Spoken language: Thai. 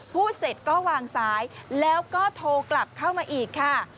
พูดเสร็จก็วางซ้ายแล้วก็โทรกลับเข้ามาอีกค่ะ